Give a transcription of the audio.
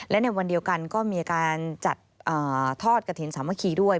และในวันเดียวกันก็มีการจัดทอดกระถิ่นสามัคคีด้วย